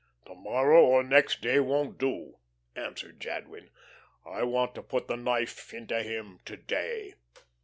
"To morrow or next day won't do," answered Jadwin. "I want to put the knife into him to day.